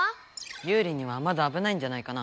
ユウリにはまだあぶないんじゃないかな？